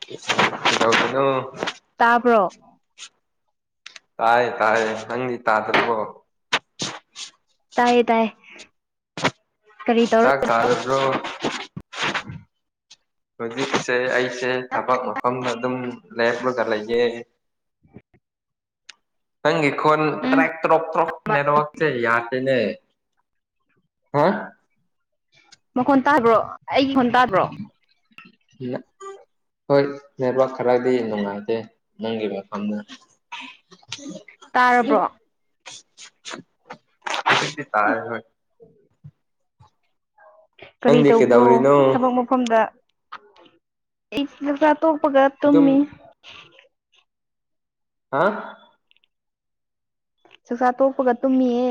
ꯀꯩꯅꯣ ꯇꯥꯕ꯭ꯔꯣ ꯇꯥꯥꯏꯦ ꯇꯥꯏꯦ ꯅꯪꯗꯤ ꯇꯥꯗ꯭ꯔꯕꯣ ꯇꯥꯏꯌꯦ ꯇꯥꯏꯌꯦ ꯀꯔꯤ ꯇꯧꯔ ꯆꯥꯛ ꯊꯥꯗꯠꯇ꯭ꯔꯣ [unintelligible] ꯍꯧꯖꯤꯛꯁꯦ ꯑꯩꯁꯦ ꯊꯕꯛ ꯃꯐꯝꯗ ꯑꯗꯨꯝ ꯂꯥꯏꯔꯕꯨꯣ ꯀꯔ ꯂꯆꯦ ꯀꯪꯦ ꯇ꯭ꯔ ꯎꯝ ꯇ꯭ꯔꯛ ꯇ꯭ꯔꯛ ꯅꯦꯔ ꯆ ꯌꯥ ꯆꯅꯦ ꯍꯥ ꯃꯈꯣꯟ ꯇꯥꯕ꯭ꯔꯣ ꯑꯩꯒꯤ ꯃꯈꯣꯟ ꯇꯥꯕ꯭ꯔꯣ ꯍꯣꯏ ꯅꯦꯠꯋꯥꯛ ꯈꯔꯗꯤ ꯅꯨꯡꯉꯥꯏꯇꯦ ꯅꯪꯒꯤꯕ ꯐꯝꯅ ꯇꯥꯔꯕ꯭ꯔꯣ ꯗꯤ ꯇꯥꯏ ꯍꯣꯏ ꯀꯔꯤ ꯅꯪꯗꯤ ꯇꯧꯕ꯭ꯔꯣ ꯀꯩꯗꯧꯔꯤꯅꯣ ꯊꯕꯛ ꯃꯐꯝꯗ ꯇꯣꯄꯒ ꯑꯗꯨꯝ ꯇꯝꯃꯤ ꯍꯥ ꯆꯥꯛꯆꯥ ꯇꯣꯛꯄꯒ ꯇꯨꯝꯃꯤꯌꯦ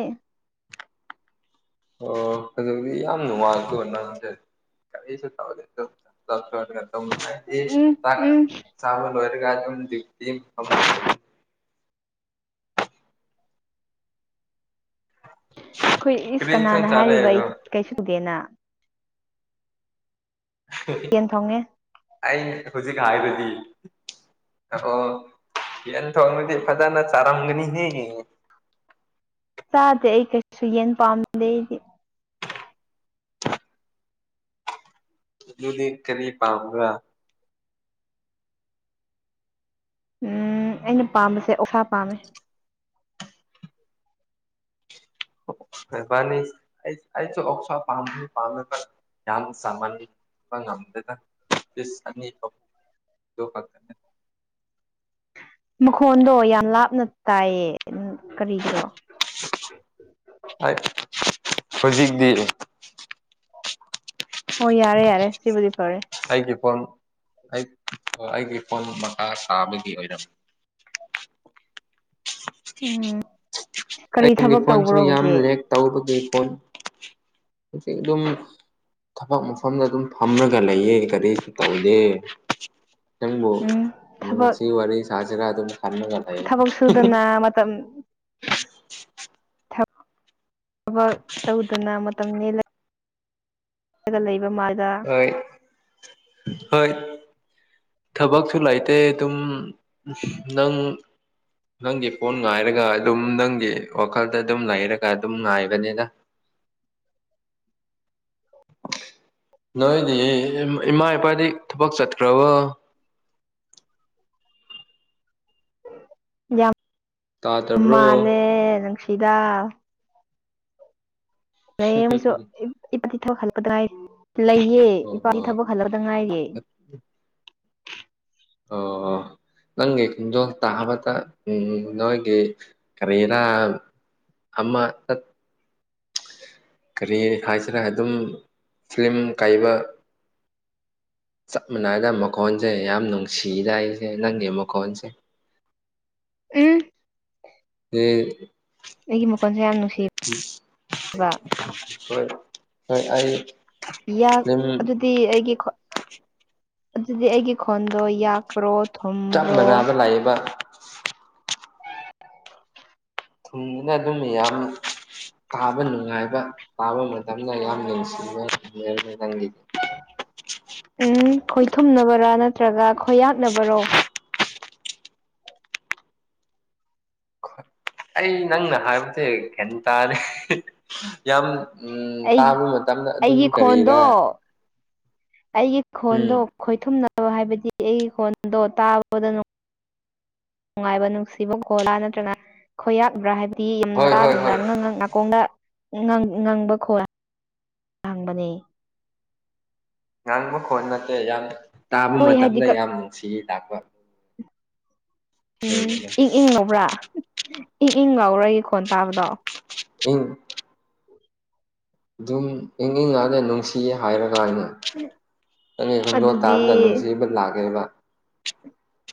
ꯑꯣ ꯑꯗꯨꯕꯨꯗꯤ ꯌꯥꯝ ꯅꯨꯡꯉꯥꯏꯗ ꯅꯟꯖ ꯀꯁ ꯆꯦ ꯎꯝ ꯆ ꯎꯝ ꯆ ꯂꯣꯏꯔꯒꯗ ꯑꯩꯈꯣꯏ ꯏꯁ ꯀꯔꯤ ꯏꯟꯁꯥꯡ ꯀꯅꯥꯅ ꯆꯥꯔꯦ ꯍꯥꯏꯔꯤꯕ ꯑꯩ ꯑꯗꯣ ꯀꯩꯁꯨꯗꯦꯅ ꯌꯦꯦꯟ ꯐꯪꯉꯦ ꯑ ꯍꯧꯖꯤꯛ ꯍꯥꯏꯔꯤꯕꯗꯤ ꯑꯣ ꯌꯦꯟ ꯊꯣꯡꯕꯗꯤ ꯐꯖꯅ ꯆꯥꯔꯝꯒꯅꯤꯍꯦ ꯆꯥꯗꯦ ꯑꯩ ꯀꯩꯁꯨ ꯌꯦꯟ ꯄꯥꯝꯗꯦ ꯑꯩꯗꯤ ꯑꯗꯨꯗꯤ ꯀꯔꯤ ꯄꯥꯝꯒ ꯎꯝ ꯑꯩꯅ ꯄꯥꯝꯕꯁꯦ ꯑꯣꯁꯥ ꯄꯥꯝꯃꯦ ꯃꯦꯕꯥꯅꯤꯁꯨ ꯑꯣꯁ ꯄꯥꯝ ꯄꯥꯃꯦ ꯌꯥꯝ ꯁꯥꯍꯟꯕ ꯉꯝꯗꯅ ꯑꯅꯤ ꯗꯣ ꯍꯥꯛꯅꯦ ꯃꯈꯣꯟꯗꯣ ꯌꯥꯝ ꯂꯥꯞꯅ ꯇꯥꯏꯌꯦ ꯀꯔꯤꯒꯤ꯭ꯔꯣ ꯍꯣꯏ ꯍꯧꯖꯤꯛꯇꯤ ꯍꯣꯏ ꯌꯥꯔꯦ ꯌꯥꯔꯦ ꯁꯤꯕꯨꯗꯤ ꯐꯔꯦ ꯑꯩꯒꯤ ꯐꯣꯣꯟ ꯑꯩꯒꯤ ꯐꯣꯟ ꯃꯈꯥ ꯁꯥꯥꯕꯒꯤ ꯑꯣꯏꯔꯝ ꯎꯝ ꯀꯔꯤ ꯑꯩꯒꯤ ꯊꯕꯛ ꯐꯣꯟꯁꯨ ꯇꯧꯕ꯭ꯔꯣ ꯌꯥꯝ ꯍꯧꯖꯤꯛ ꯂꯦꯛ ꯇꯧꯕꯒꯤ ꯐꯣꯟ [inaudible] ꯑꯗꯨꯝ ꯊꯕꯛ ꯃꯐꯝꯗ ꯑꯗꯨꯝ ꯐꯝꯃꯒ ꯂꯩꯌꯦ ꯀꯔꯤꯁꯨ ꯇꯧꯗꯦ ꯈꯤꯇꯪꯕꯨ ꯎꯝ ꯊꯕꯛ ꯅꯨꯡꯁꯤ ꯋꯥꯔꯤ ꯁꯥꯁꯤꯔꯥ ꯑꯗꯨꯝ ꯀꯟꯅ ꯀꯗꯥ ꯊꯕꯛ ꯁꯨꯗꯅ ꯃꯇꯝ ꯊꯕꯛ ꯇꯧꯗꯅ ꯃꯇꯝ ꯅꯦꯜꯂ ꯆꯂꯒ ꯂꯩꯕ ꯃꯥꯗ ꯍꯣꯏ ꯍꯣꯏ ꯊꯕꯛꯁꯨ ꯂꯩꯇꯦ ꯑꯗꯨꯝ ꯅꯪ ꯅꯪꯒꯤ ꯐꯣꯟ ꯉꯥꯏꯔꯒ ꯑꯗꯨꯝ ꯅꯪꯒꯤ ꯋꯥꯈꯜꯗ ꯑꯗꯨꯝ ꯂꯩꯔꯒ ꯑꯗꯨꯝ ꯉꯥꯏꯕꯅꯤꯅ [inaudible] ꯅꯣꯏꯗꯤ ꯏꯃꯥ ꯏꯄꯥꯗꯤ ꯊꯕꯛ ꯆꯠꯈ꯭ꯔꯕꯣ ꯌꯥꯝ ꯌꯥꯝ ꯇꯥꯗꯕ꯭ꯔꯣ ꯃꯥꯜꯂꯦ ꯅꯨꯡꯁꯤꯗꯥ ꯂꯩꯑꯦ ꯃꯣꯏꯁꯨ ꯏꯄꯄꯥꯏ ꯂꯩꯌꯦ ꯑꯣ ꯏꯄꯥꯀꯤ ꯑꯣ ꯊꯕꯛ ꯍꯜꯂꯛꯇ ꯉꯥꯏꯒꯦ ꯑꯣ ꯅꯪꯒꯤ ꯀꯟꯗꯣꯜ ꯇꯥꯕꯠꯇ ꯎꯝ ꯅꯒꯤ ꯀꯔꯤꯅꯥ ꯑꯃ ꯀꯔꯤ ꯍꯥꯏꯁꯤꯔꯦ ꯑꯗꯨꯝ ꯐꯤꯂꯝ ꯀꯥꯏꯕ ꯆꯞ ꯃꯥꯟꯅꯏꯗ ꯃꯈꯣꯟꯁꯦ ꯌꯥꯝ ꯅꯨꯡꯁꯤꯗ ꯑꯩꯁꯦ ꯅꯪꯒꯤ ꯃꯈꯣꯟꯁꯦ ꯎꯝ ꯍ ꯑꯩꯒꯤ ꯃꯈꯣꯟꯁꯦ ꯌꯥꯝ ꯅꯨꯡꯁꯤꯕ ꯍꯣꯏ ꯍꯣꯏ ꯑꯩ ꯌꯥ ꯐꯤꯂꯝ ꯑꯗꯨꯗꯤ ꯑꯩꯒꯤ ꯑꯗꯨꯗꯤ ꯑꯩꯒꯤ ꯈꯣꯟꯗꯣ ꯌꯥ ꯄ꯭ꯔꯣꯠ ꯆꯥꯛ ꯃꯅꯥꯕ ꯂꯥꯏꯕ ꯊꯨꯡꯉꯅ ꯑꯗꯨꯝ ꯌꯥꯝ ꯇꯥꯕ ꯅꯨꯡꯉꯥꯏꯕ ꯇꯥꯕ ꯃꯇꯝꯗ ꯌꯥꯝ ꯅꯨꯡꯁꯤꯕꯔꯃꯦ ꯅꯪꯒꯤꯗꯤ ꯎꯝ ꯈꯣꯏꯊꯨꯝꯅꯕꯔꯥ ꯅꯠꯇ꯭ꯔꯒ ꯈꯣꯏꯌꯥꯛꯅꯕꯔꯣ ꯑꯩ ꯅꯪꯅ ꯍꯥꯏꯕꯁ ꯩ ꯇꯥꯔꯦ ꯌꯥꯝ ꯎꯝ ꯑꯩ ꯇꯥꯕ ꯃꯇꯝꯗ ꯑꯗꯨꯝ ꯑꯩꯒꯤ ꯀꯔꯤꯅ ꯈꯣꯟꯗꯣ ꯑꯩꯒꯤ ꯈꯣꯟꯗꯣ ꯈꯣꯏꯊꯨꯝꯅꯕ ꯍꯥꯏꯕꯗꯤ ꯑꯩꯒꯤ ꯈꯣꯟꯗꯣ ꯇꯥꯕꯗꯅꯨꯡ ꯅꯨꯡꯉꯥꯏꯕ ꯅꯨꯡꯁꯤꯕ ꯈꯣꯂꯥ ꯅꯠꯇ꯭ꯔꯒ ꯈꯣꯏꯌꯥꯕ꯭ꯔꯥ ꯍꯥꯏꯕ ꯗꯤ ꯌꯥꯝꯅ ꯍꯣꯏ ꯍꯣꯏ ꯇꯥꯗ ꯍꯣꯏ ꯑꯉꯥꯡ ꯑ ꯉꯅꯥꯀꯣꯡꯗ ꯉꯪꯕ ꯈꯣꯏ ꯍꯥꯡꯕꯅꯦ ꯉꯥꯡꯕ ꯈꯣꯟ ꯅꯠꯇꯦ ꯌꯥꯝ ꯇꯥꯕ ꯍꯣꯏ ꯍꯥꯏꯗꯤ ꯃꯇꯝꯗ ꯌꯥꯝ ꯅꯨꯡꯁꯤꯌꯦ ꯇꯥꯛꯄ ꯎꯝ ꯏꯪ ꯏꯪ ꯉꯧꯕ꯭ꯔꯥ ꯏꯪ ꯏꯪ ꯉꯧꯔꯒꯤ ꯈꯣꯟ ꯇꯥꯕꯗꯣ ꯎꯨꯡ ꯑꯗꯨꯝ ꯏꯪ ꯏꯉꯅ ꯅꯨꯡꯁꯤꯌꯦ ꯍꯥꯏꯔꯒ ꯁꯥꯏꯅꯦ ꯅꯪ ꯈꯣꯡꯗꯣꯛ ꯇꯥꯕꯗ ꯑꯗꯨꯗꯤ ꯅꯨꯡꯁꯤꯕ ꯂꯥꯛꯀꯦꯕ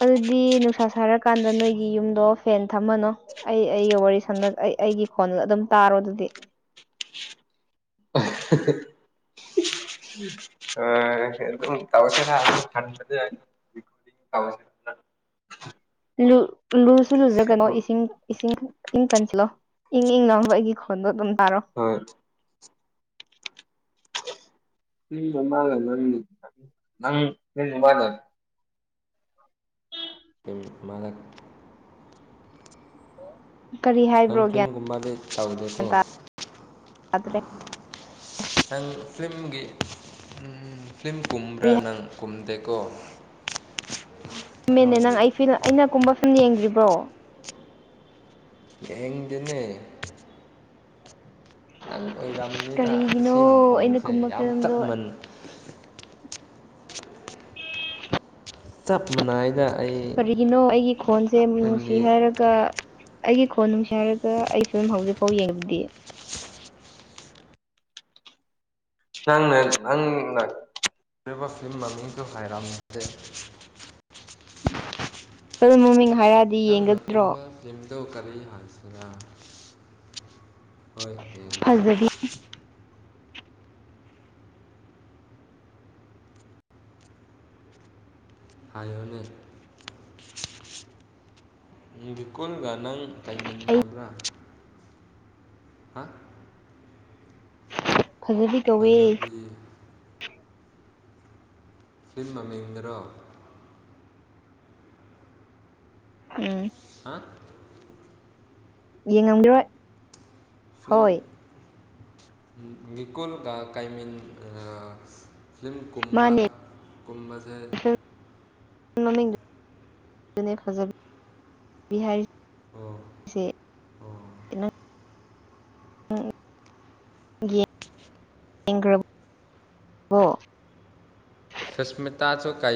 ꯑꯗꯨꯗꯤ ꯅꯨꯡꯁꯥ ꯁꯥꯔꯀꯥꯟꯗ ꯅꯣꯏꯒꯤ ꯌꯨꯝꯗꯣ ꯐꯦꯟ ꯊꯝꯃꯅꯣ ꯑꯩ ꯑꯩꯒ ꯋꯥꯔꯤ ꯁꯝꯅ ꯑꯩꯒꯤ ꯐꯣꯟꯗꯨ ꯑꯗꯨꯝ ꯇꯥꯔꯣ ꯑꯗꯨꯗꯤ [inaudible] ꯑꯝ ꯇꯁ ꯑ ꯂꯨꯁꯨ ꯂꯨꯖ꯭ꯔꯒꯅꯣ ꯏꯁꯤꯡ ꯏꯁꯤꯡ ꯏꯪ ꯀꯟꯁꯤꯂꯣ ꯏꯪ ꯏꯪ ꯂꯥꯡꯕ ꯑꯩꯒꯤ ꯈꯣꯟꯗꯣ ꯑꯗꯨꯝ ꯇꯥꯔꯣ ꯍꯣꯏ ꯃꯥꯒ ꯅꯪ ꯃꯥꯗꯔ ꯃꯥꯂꯛ ꯀꯔꯤ ꯅꯪ ꯍꯥꯏꯕ꯭ꯔꯣ ꯒ꯭ꯌꯥꯟ ꯐꯤꯂꯝꯒꯨꯝꯕꯗꯤ ꯆꯥꯎꯗꯦꯀꯣ ꯇꯥꯗ꯭ꯔꯦ ꯅꯪ ꯐꯤꯂꯝꯒꯤ ꯐꯤꯂꯝ ꯀꯨꯝꯕ꯭ꯔꯥ ꯀꯔꯤ ꯅꯪ ꯀꯨꯝꯗꯦ ꯣ ꯃꯃꯦꯅꯦ ꯅꯪ ꯑꯩꯤ ꯑꯩꯅ ꯀꯨꯝꯕ ꯁꯨꯝ ꯌꯦꯡꯗ꯭ꯔꯤꯕ꯭ꯔꯣ ꯗꯅꯦ ꯅꯪ ꯑꯣꯏꯔꯝꯅꯤꯗ ꯁꯤ ꯀꯔꯤꯒꯤꯅꯣ ꯑꯩꯅ ꯃꯈꯣꯟꯁꯦ ꯀꯨꯝꯕ ꯌꯥꯝ ꯐꯤꯂꯝꯗꯣ ꯆꯞꯃꯟ [inaudible] ꯆꯞ ꯃꯥꯟꯅꯏꯗ ꯀꯔꯤꯒꯤꯅꯣ ꯑꯩꯒꯤ ꯈꯣꯟꯁꯦ ꯅꯨꯡꯁꯤ ꯅꯪꯒꯤ ꯍꯥꯏꯔꯒ ꯑꯩꯒꯤ ꯈꯣꯟ ꯅꯨꯡꯁꯤꯥꯏꯔꯒ ꯑꯩ ꯐꯤꯕꯂꯝ ꯍꯧꯖꯤꯛ ꯐꯥꯎ ꯌꯦꯡꯕꯗꯤ ꯅꯪꯅ ꯅꯪꯅ ꯔꯤꯕ ꯐꯤꯂꯝ ꯃꯃꯤꯡꯗꯨ ꯍꯥꯏꯔꯝꯗꯦ ꯐꯤꯂꯝ ꯃꯃꯤꯡ ꯍꯥꯏꯔꯗꯤ ꯌꯦꯡꯒꯗ꯭ꯔꯣ ꯇꯧ ꯀꯔꯤ ꯍꯥꯏꯁꯤꯔꯥ ꯍꯣꯏ ꯍ ꯐꯖꯕꯤ ꯍꯥꯏꯌꯅ ꯚꯤꯀꯨꯜꯒ ꯅꯪ ꯑꯩ ꯇꯥꯏꯃꯤꯟꯅꯕ꯭ꯔꯥ ꯍꯥ ꯐꯖꯕꯤ ꯀꯧꯋ ꯐꯖꯕꯤ ꯐꯤꯟ ꯃꯃꯗ꯭ꯔꯣ ꯎꯝ ꯍꯥ ꯌꯦꯡꯉꯝꯗꯔꯣꯏ ꯐꯤ ꯅꯀꯜ ꯀ ꯀꯥꯏ ꯃꯤ ꯐꯤꯂꯝ ꯀꯨꯝꯕ ꯃꯥꯅꯦ ꯀꯨꯝꯕꯁꯦ ꯐꯖꯕꯤꯍ ꯑꯣ ꯑꯣ ꯎꯝ꯭ꯔꯕ ꯍ ꯁꯨꯁꯃꯤꯇꯥꯁꯨ ꯀ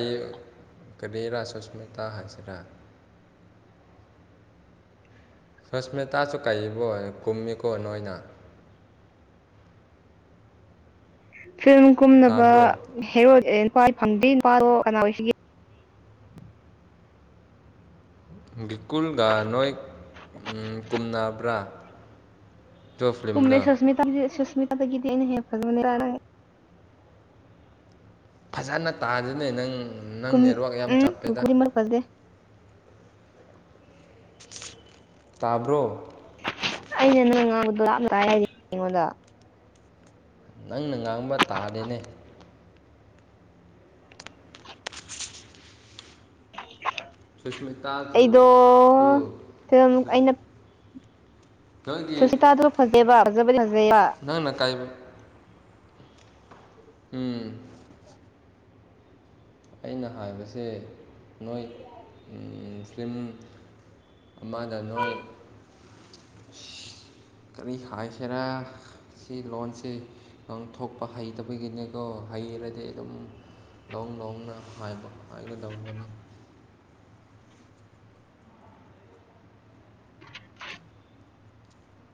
ꯀꯔꯤꯔꯥ ꯁꯨꯁꯃꯤꯇꯥ ꯍꯥꯏꯁꯤꯔꯥ [inaudible] ꯁꯣꯁꯃꯤꯇꯥꯁꯨ ꯀꯕꯣ ꯀꯨꯝꯃꯤꯀꯣ ꯅꯣꯏꯅ ꯐꯤꯂꯝ ꯀꯨꯝꯅꯕ ꯇꯥꯕ꯭ꯔꯣ ꯍꯦꯔꯣꯏ ꯀ ꯐꯪꯗꯦ ꯅꯨꯄꯥꯗꯣ ꯀꯅꯥ ꯑꯣꯏꯁꯤꯒꯦ ꯕꯤꯀꯨꯜꯒ ꯅꯣꯏ ꯀꯨꯝꯅꯕ꯭ꯔꯥ ꯑꯗꯨ ꯀꯨꯝꯦ ꯐꯤꯂꯝꯗꯣ ꯁꯁꯃꯤꯇꯥ ꯁꯁꯃꯤꯇꯥꯗꯒꯤꯗꯤꯅꯦ ꯍꯦ ꯐꯅꯤ ꯐꯖꯅ ꯇꯥꯖꯅꯦ ꯅꯪ ꯅꯪ ꯀꯨꯝ ꯅꯦꯠꯋꯥꯛ ꯌꯥꯝ ꯎꯝ ꯆꯞꯄꯦꯗ ꯀꯨꯀꯨꯗꯤ ꯃꯔꯛ ꯐꯖꯗꯦ ꯇꯥꯕ꯭ꯔꯣ ꯑꯩꯅ ꯅꯪ ꯉꯥꯡꯕꯗꯣ ꯂꯥꯞꯅꯉꯥꯏ ꯂꯩꯔꯤ ꯑꯩꯉꯣꯟꯗ ꯅꯪꯅ ꯉꯥꯡꯕ ꯇꯥꯔꯦꯅꯦ ꯁꯨꯁꯃꯤꯇꯥꯗꯨ ꯑꯩꯗꯣ ꯗꯨ ꯁꯨꯁ ꯁꯨꯁꯃꯤꯇꯥꯗꯨ ꯐꯖꯩꯌꯦꯕ ꯐꯖꯕꯗꯤ ꯐꯖꯩꯌꯦꯕ꯫ ꯅꯪꯅ ꯀꯩ ꯎꯝ꯫ ꯑꯩꯅ ꯍꯥꯏꯕꯁꯦ ꯅꯣꯏ ꯐꯤꯂꯝ꯫ ꯑꯃꯅ ꯅꯣꯏ꯫ [inaudible] ꯀꯔꯤ ꯍꯥꯏꯁꯤꯔ꯫ ꯁꯤ ꯂꯣꯟꯁꯦ ꯉꯥꯡ ꯊꯣꯛꯄ ꯍꯩꯇꯕꯒꯤꯅꯦꯀꯣ ꯍꯩꯔꯗꯤ ꯑꯗꯨꯝ꯫ ꯂꯧ ꯂꯧꯅ ꯍꯥꯏꯕ ꯍꯥꯏꯒꯗꯧꯕꯅꯤ꯫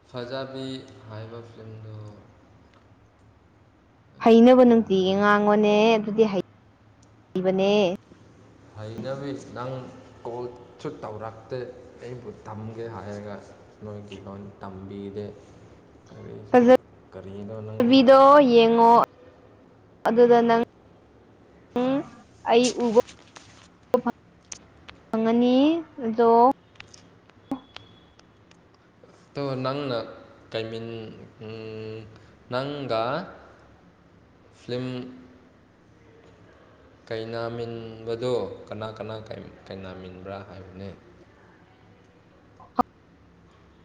ꯐꯖꯥꯕꯤ ꯍꯥꯏꯕ ꯐꯤꯂꯝꯗꯨ꯫ ꯍꯩꯅꯕ ꯅꯨꯡꯇꯤꯒꯤ ꯉꯥꯡꯉꯣꯅꯦ ꯑꯗꯨꯗꯤ ꯍꯩ ꯍꯩꯕꯅꯦ꯫ ꯍꯩꯅꯕꯤ ꯅꯪ [inaudible] ꯁꯨ ꯇꯧꯔꯛꯇꯦ ꯑꯩꯕꯨ ꯊꯝꯒꯦ ꯍꯥꯏꯔꯒ ꯅꯣꯏꯒꯤ ꯂꯣꯟ ꯇꯝꯕꯤꯗꯦ꯫ ꯀꯔꯤꯁꯨ ꯀꯔꯤꯅꯣ ꯅꯪꯁꯨ ꯐꯖꯕꯤꯗꯣ ꯌꯦꯡꯉꯣ꯫ ꯑꯗꯨꯗ ꯅꯪ ꯑꯩ ꯎꯕ [unintelligible] ꯐꯪꯉꯅꯤ ꯑꯗꯣ ꯑꯗꯣ ꯅꯪꯅ ꯀꯩꯃꯤꯟ ꯅꯪꯒ꯫ ꯐꯤꯂꯤꯝ꯫ ꯀꯩꯅꯥꯃꯤꯟꯕꯗꯣ ꯀꯅꯥ ꯀꯅꯥ ꯀꯩꯅꯥꯃꯤꯟꯕ꯭ꯔꯥ ꯍꯥꯏꯕꯅꯦ꫰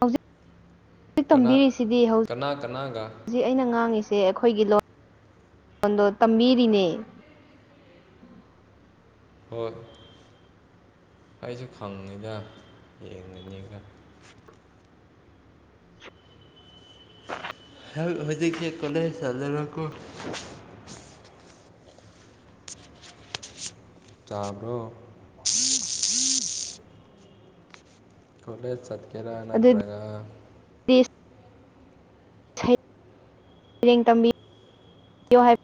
[inaudible] ꯍꯧꯖꯤꯛ ꯀꯅꯥ ꯇꯝꯕꯤꯔꯤꯁꯤꯗꯤ ꯍꯧ ꯀꯅꯥ ꯀꯅꯥꯒ ꯍꯧꯖꯤꯛ ꯑꯩꯅ ꯉꯥꯡꯉꯤꯁꯦ꯫ ꯑꯩꯈꯣꯏꯒꯤ ꯂꯣꯟ ꯂꯣꯟꯗꯣ ꯇꯝꯕꯤꯔꯤꯅꯦ꯫ ꯍꯣꯏ꯫ ꯑꯩꯁꯨ ꯈꯪꯉꯤꯗ ꯌꯦꯡꯉꯤꯅꯤꯒ꯫ ꯍꯧꯖꯤꯛꯁꯦ ꯀꯂꯦꯖ ꯆꯠꯂꯔꯣꯏꯀꯣ꯫ ꯆꯥꯕ꯭ꯔꯣ꯫ ꯀꯣꯂꯦꯖ ꯆꯠꯀꯦꯔꯥ ꯑꯗꯨꯗꯤ ꯅꯠꯇ꯭ꯔꯒ꯫ ꯁꯩ ꯔꯦꯡ ꯇꯝꯕꯤꯌꯨ ꯍꯥꯏ꯫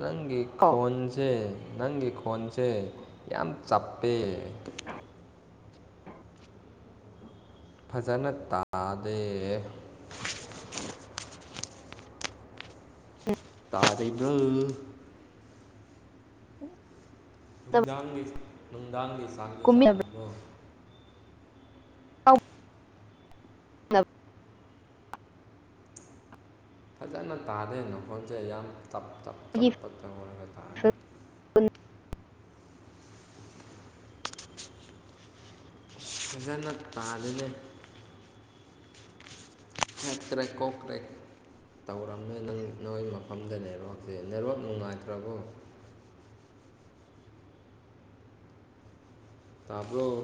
ꯅꯪꯒꯤ ꯈꯣꯟꯁꯦ꯫ ꯅꯪꯒꯤ ꯈꯣꯟꯁꯦ ꯌꯥꯝ ꯆꯞꯄꯦ꯫ ꯐꯖꯅ ꯇꯥꯗꯦ꯫ ꯇꯥꯔꯤꯕꯔꯥ꯫ [unintelligible] ꯅꯨꯡꯗꯥꯡꯒꯤ ꯅꯨꯡꯗꯥꯡꯒꯤ ꯆꯥꯡꯗꯨ ꯀꯨꯝꯃꯤꯟꯅꯕ ꯆꯥꯔꯕꯣ꯫ [inaudible] ꯐꯖꯅ ꯇꯥꯗꯦ ꯅꯈꯣꯟꯁꯦ ꯌꯥꯝ ꯇꯞ ꯇꯞ ꯇꯞ ꯇꯔꯒ꯫ ꯐꯖꯅ ꯇꯥꯗꯦꯅꯦ꯫ ꯍꯛꯀꯔꯦꯛ ꯀꯣꯛꯀꯔꯦꯛ꯫ ꯇꯧꯔꯝꯃꯦ ꯅꯪ ꯅꯣꯏꯒꯤ ꯃꯐꯝꯗ ꯅꯦꯠꯋꯥꯛꯁꯦ ꯅꯦꯠꯋꯥꯛ ꯅꯨꯡꯉꯥꯏꯇ꯭ꯔꯕꯣ꯫ [inaudible] ꯇꯕꯔꯣ꯫